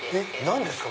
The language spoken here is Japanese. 何ですか？